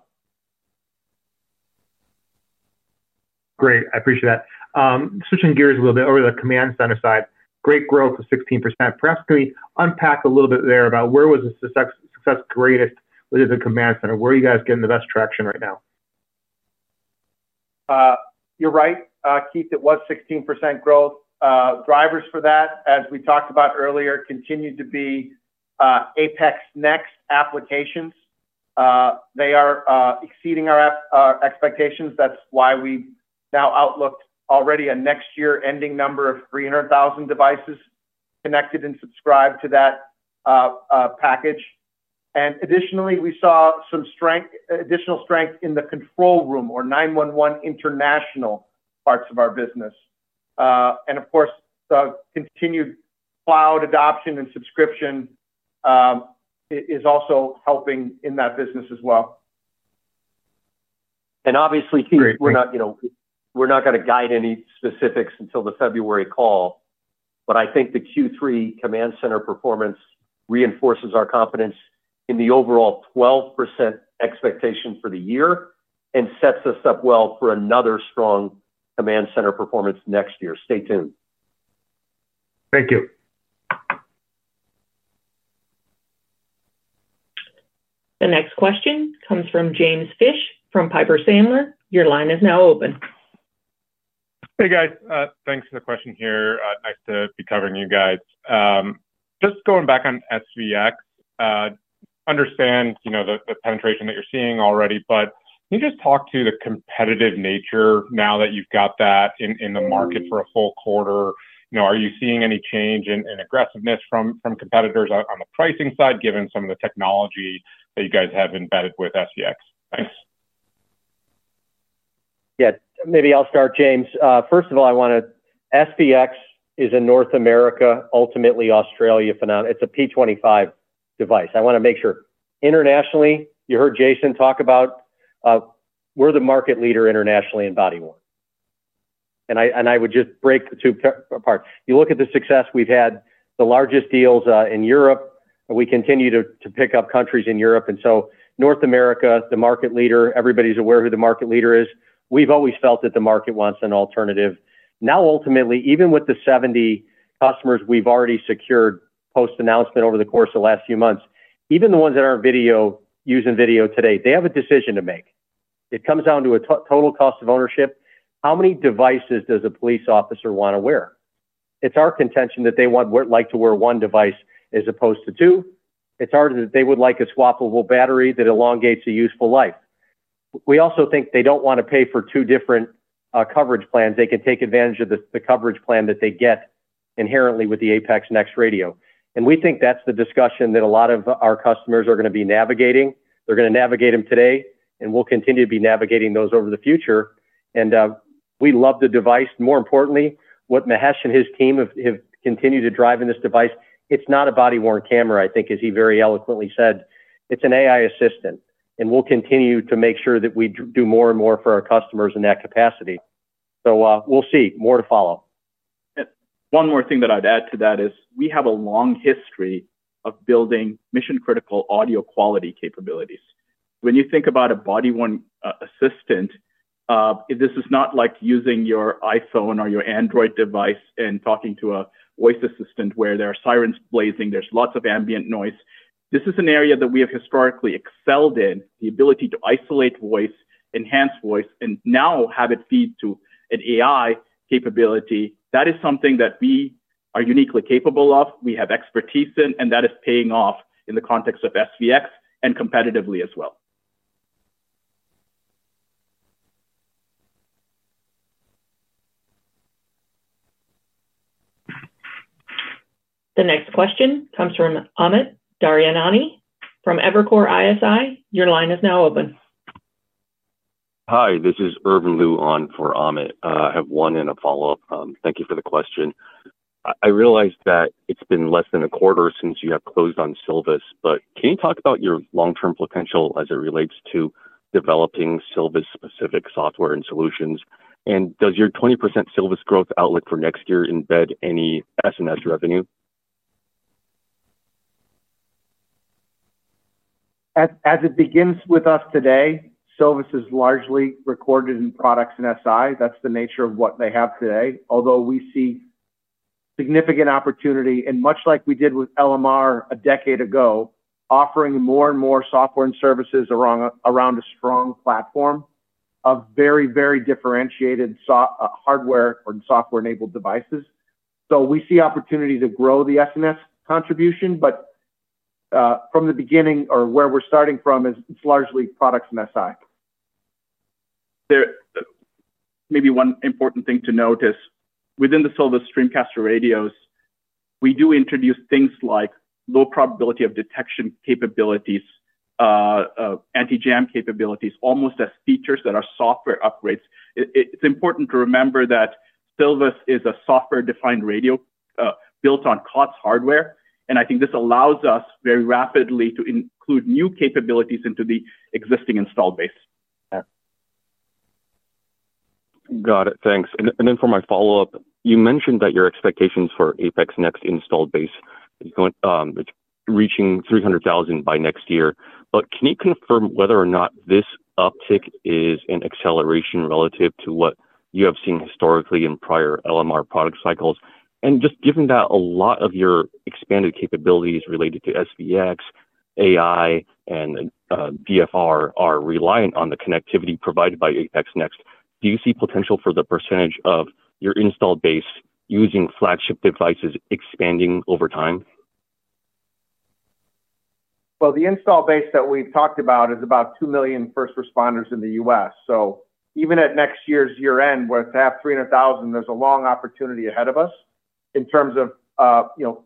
Great. I appreciate that. Switching gears a little bit over to the command center side. Great growth of 16%. Perhaps can we unpack a little bit there about where was the success greatest with the command center? Where are you guys getting the best traction right now? You're right, Keith. It was 16% growth. Drivers for that, as we talked about earlier, continue to be APEX Next applications. They are exceeding our expectations. That's why we now outlooked already a next year ending number of 300,000 devices connected and subscribed to that package. Additionally, we saw some additional strength in the control room or 911 international parts of our business. Of course, the continued cloud adoption and subscription is also helping in that business as well. Keith, we're not going to guide any specifics until the February call. I think the Q3 command center performance reinforces our confidence in the overall 12% expectation for the year and sets us up well for another strong command center performance next year. Stay tuned. Thank you. The next question comes from James Fish from Piper Sandler. Your line is now open. Hey, guys. Thanks for the question here. Nice to be covering you guys. Just going back on SBX. Understand the penetration that you're seeing already, but can you just talk to the competitive nature now that you've got that in the market for a full quarter? Are you seeing any change in aggressiveness from competitors on the pricing side, given some of the technology that you guys have embedded with SBX? Thanks. Yeah. Maybe I'll start, James. First of all, I want to say SBX is a North America, ultimately Australia, it's a P25 device. I want to make sure internationally, you heard Jason talk about it. We're the market leader internationally in body worn. I would just break the two apart. You look at the success we've had, the largest deals in Europe, and we continue to pick up countries in Europe. North America, the market leader, everybody's aware who the market leader is. We've always felt that the market wants an alternative. Ultimately, even with the 70 customers we've already secured post-announcement over the course of the last few months, even the ones that are in video, using video today, they have a decision to make. It comes down to a total cost of ownership. How many devices does a police officer want to wear? It's our contention that they would like to wear one device as opposed to two. It's harder that they would like a swappable battery that elongates a useful life. We also think they don't want to pay for two different coverage plans. They can take advantage of the coverage plan that they get inherently with the APEX Next Radio. We think that's the discussion that a lot of our customers are going to be navigating. They're going to navigate them today, and we'll continue to be navigating those over the future. We love the device. More importantly, what Mahesh and his team have continued to drive in this device, it's not a body-worn camera, I think, as he very eloquently said. It's an AI assistant. We'll continue to make sure that we do more and more for our customers in that capacity. More to follow. One more thing that I'd add to that is we have a long history of building mission-critical audio quality capabilities. When you think about a body-worn assistant, this is not like using your iPhone or your Android device and talking to a voice assistant where there are sirens blazing. There's lots of ambient noise. This is an area that we have historically excelled in, the ability to isolate voice, enhance voice, and now have it feed to an AI capability. That is something that we are uniquely capable of. We have expertise in, and that is paying off in the context of SBX and competitively as well. The next question comes from Amit Daryanani from Evercore ISI. Your line is now open. Hi, this is Irvin Lu on for Amit. I have one and a follow-up. Thank you for the question. I realized that it's been less than a quarter since you have closed on Silvus, but can you talk about your long-term potential as it relates to developing Silvus-specific software and solutions? Does your 20% Silvus growth outlook for next year embed any S&S revenue? As it begins with us today, Silvus is largely recorded in products and SI. That's the nature of what they have today. Although we see significant opportunity, and much like we did with LMR a decade ago, offering more and more software and services around a strong platform of very, very differentiated hardware and software-enabled devices. We see opportunity to grow the S&S contribution, but from the beginning or where we're starting from, it's largely products and SI. Maybe one important thing to note is within the Silvus StreamCaster Radios, we do introduce things like low probability of detection capabilities, anti-jam capabilities, almost as features that are software upgrades. It's important to remember that Silvus is a software-defined radio built on COTS hardware. I think this allows us very rapidly to include new capabilities into the existing installed base. Got it. Thanks. For my follow-up, you mentioned that your expectations for APEX Next installed base is reaching 300,000 by next year. Can you confirm whether or not this uptick is an acceleration relative to what you have seen historically in prior LMR product cycles? Given that a lot of your expanded capabilities related to SBX, AI, and VFR are reliant on the connectivity provided by APEX Next, do you see potential for the percentage of your installed base using flagship devices expanding over time? The install base that we've talked about is about 2 million first responders in the U.S. Even at next year's year-end, we're at 300,000. There's a long opportunity ahead of us in terms of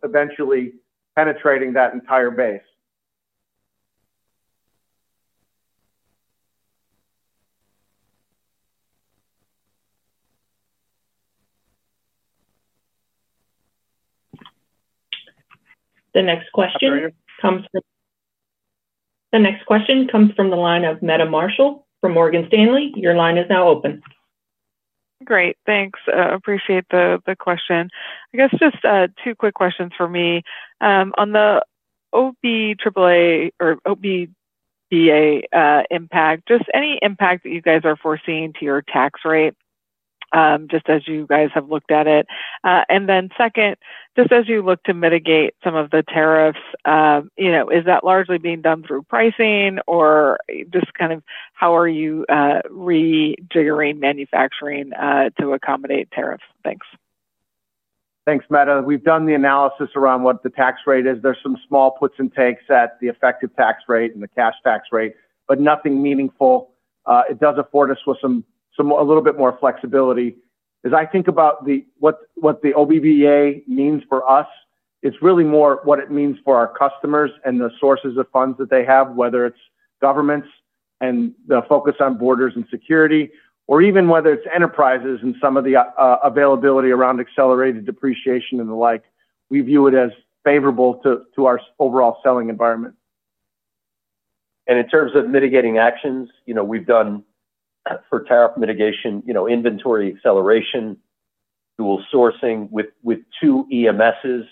eventually penetrating that entire base. The next question comes from the line of Meta Marshall from Morgan Stanley. Your line is now open. Great. Thanks. Appreciate the question. I guess just two quick questions for me. On the OBBA impact, just any impact that you guys are foreseeing to your tax rate, just as you guys have looked at it. Then second, just as you look to mitigate some of the tariffs, is that largely being done through pricing or just kind of how are you rejiggering manufacturing to accommodate tariffs? Thanks. Thanks, Meta. We've done the analysis around what the tax rate is. There's some small puts and takes at the effective tax rate and the cash tax rate, but nothing meaningful. It does afford us with a little bit more flexibility. As I think about what the OBBA means for us, it's really more what it means for our customers and the sources of funds that they have, whether it's governments and the focus on borders and security, or even whether it's enterprises and some of the availability around accelerated depreciation and the like. We view it as favorable to our overall selling environment. In terms of mitigating actions, we've done tariff mitigation, inventory acceleration, dual sourcing with two EMSs.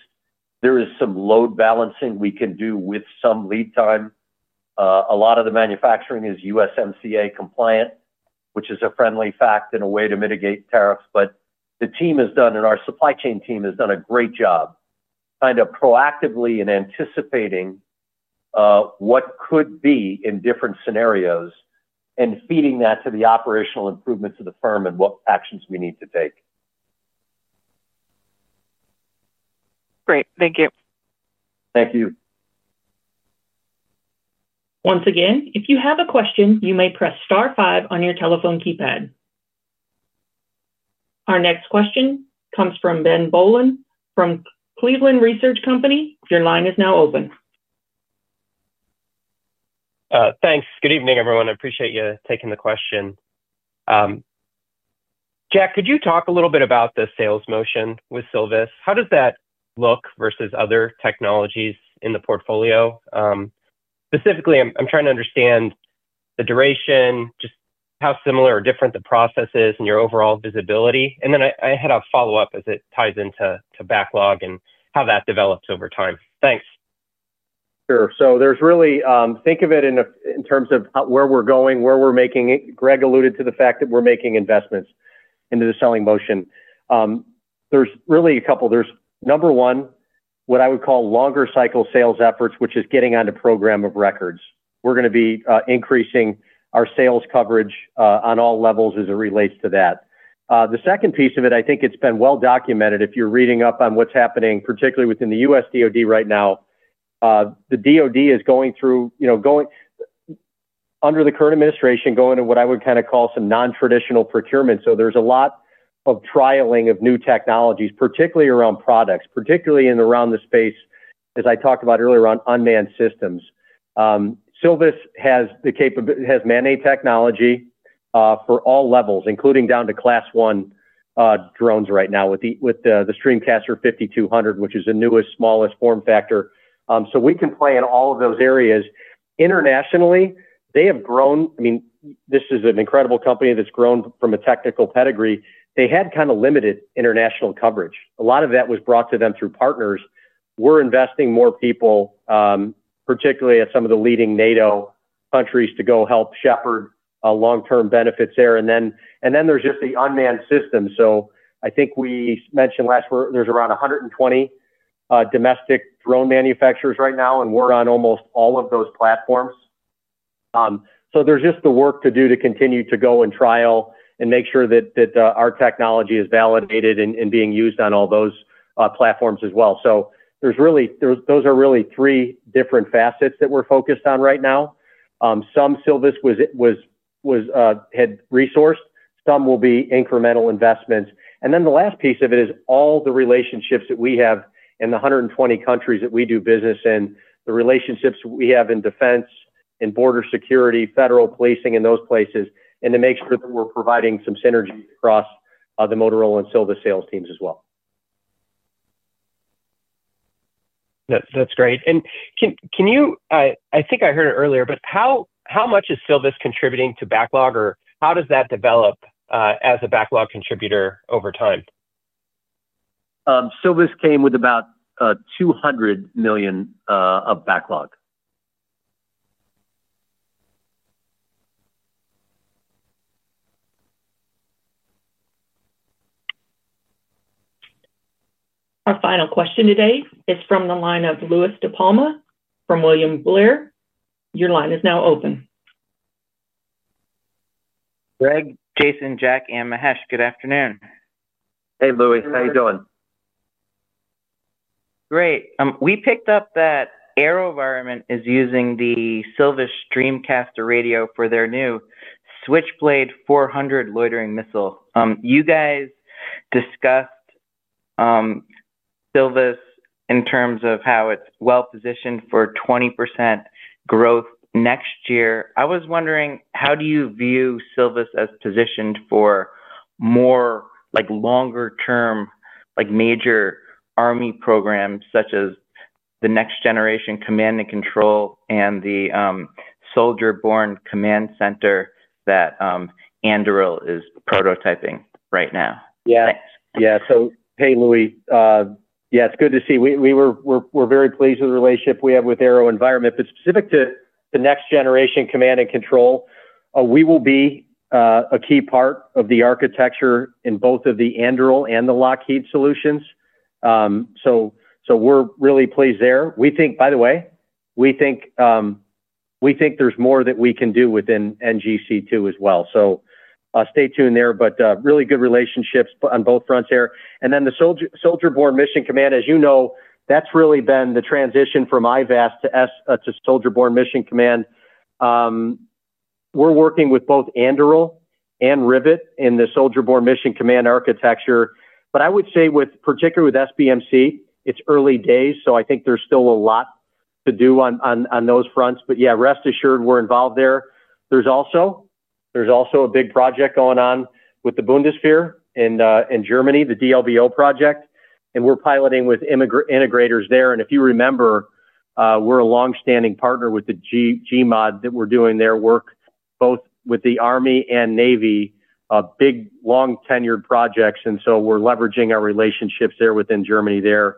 There is some load balancing we can do with some lead time. A lot of the manufacturing is USMCA-compliant, which is a friendly fact and a way to mitigate tariffs. The team has done, and our supply chain team has done a great job proactively anticipating what could be in different scenarios and feeding that to the operational improvements of the firm and what actions we need to take. Great. Thank you. Once again, if you have a question, you may press star five on your telephone keypad. Our next question comes from Ben Bollin from Cleveland Research Company. Your line is now open. Thanks. Good evening, everyone. I appreciate you taking the question. Jack, could you talk a little bit about the sales motion with Silvus? How does that look versus other technologies in the portfolio? Specifically, I'm trying to understand the duration, just how similar or different the process is and your overall visibility. I had a follow-up as it ties into backlog and how that develops over time. Thanks. Sure. So there's really, think of it in terms of where we're going, where we're making it. Greg alluded to the fact that we're making investments into the selling motion. There's really a couple. There's number one, what I would call longer cycle sales efforts, which is getting on the program of records. We're going to be increasing our sales coverage on all levels as it relates to that. The second piece of it, I think it's been well documented if you're reading up on what's happening, particularly within the U.S. DoD right now. The DoD is going through, under the current administration, going to what I would kind of call some non-traditional procurement. There's a lot of trialing of new technologies, particularly around products, particularly in and around the space, as I talked about earlier on unmanned systems. Silvus has man-made technology for all levels, including down to class one. Drones right now with the StreamCaster 5200, which is the newest, smallest form factor. We can play in all of those areas. Internationally, they have grown. I mean, this is an incredible company that's grown from a technical pedigree. They had kind of limited international coverage. A lot of that was brought to them through partners. We're investing more people, particularly at some of the leading NATO countries to go help shepherd long-term benefits there. There's just the unmanned system. I think we mentioned last, there's around 120 domestic drone manufacturers right now, and we're on almost all of those platforms. There's just the work to do to continue to go and trial and make sure that our technology is validated and being used on all those platforms as well. Those are really three different facets that we're focused on right now. Some Silvus had resourced. Some will be incremental investments. The last piece of it is all the relationships that we have in the 120 countries that we do business in, the relationships we have in defense, in border security, federal policing in those places, and to make sure that we're providing some synergy across the Motorola and Silvus sales teams as well. That's great. Can you, I think I heard it earlier, but how much is Silvus contributing to backlog, or how does that develop as a backlog contributor over time? Silvus came with about $200 million of backlog. Our final question today is from the line of Louie DiPalma from William Blair. Your line is now open. Greg, Jason, Jack, and Mahesh. Good afternoon. Hey, Louie. How are you doing? Great. We picked up that AeroVironment is using the Silvus StreamCaster Radio for their new Switchblade 400 loitering missile. You guys discussed Silvus in terms of how it's well positioned for 20% growth next year. I was wondering, how do you view Silvus as positioned for more longer-term major army programs such as the next-generation command and control and the Soldier-Borne Command Center that Anduril is prototyping right now? Yeah. Yeah. Hey, Louie. Yeah, it's good to see. We're very pleased with the relationship we have with AeroVironment. Specific to the next-generation command and control, we will be a key part of the architecture in both the Anduril and the Lockheed solutions. We're really pleased there. By the way, we think there's more that we can do within NGC2 as well. Stay tuned there, really good relationships on both fronts. The Soldier Borne Mission Command, as you know, that's really been the transition from IVAS to Soldier Borne Mission Command. We're working with both Anduril and Rivet in the Soldier Borne Mission Command architecture. I would say, particularly with SBMC, it's early days. I think there's still a lot to do on those fronts. Rest assured, we're involved there. There's also a big project going on with the Bundeswehr in Germany, the D-LBO project. We're piloting with integrators there. If you remember, we're a long-standing partner with the GMOD, doing their work both with the Army and Navy, big, long-tenured projects. We're leveraging our relationships there within Germany. In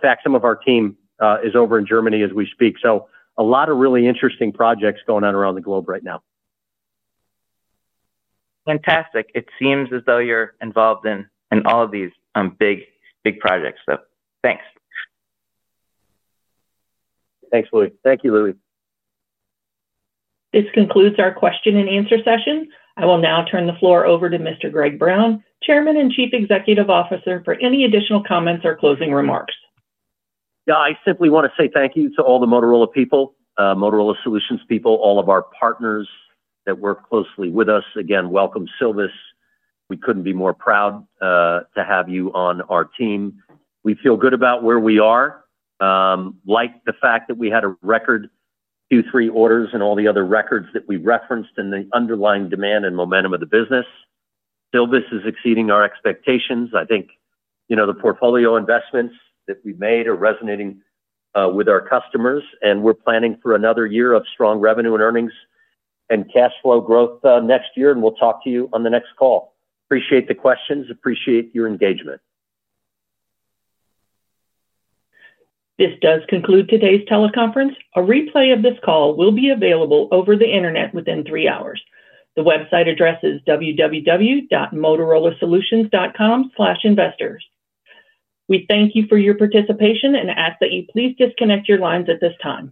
fact, some of our team is over in Germany as we speak. A lot of really interesting projects going on around the globe right now. Fantastic. It seems as though you're involved in all of these big projects, though. Thanks. This concludes our question-and-answer session. I will now turn the floor over to Mr. Greg Brown, Chairman and Chief Executive Officer, for any additional comments or closing remarks. Yeah, I simply want to say thank you to all the Motorola Solutions people, all of our partners that work closely with us. Again, welcome, Silvus. We couldn't be more proud to have you on our team. We feel good about where we are. I like the fact that we had a record, two, three orders and all the other records that we referenced in the underlying demand and momentum of the business. Silvus is exceeding our expectations. I think the portfolio investments that we've made are resonating with our customers. We're planning for another year of strong revenue and earnings and cash flow growth next year. We'll talk to you on the next call. Appreciate the questions. Appreciate your engagement. This does conclude today's teleconference. A replay of this call will be available over the internet within three hours. The website address is www.motorolasolutions.com/investors. We thank you for your participation and ask that you please disconnect your lines at this time.